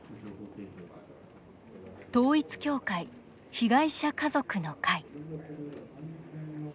「統一教会被害者家族の会」。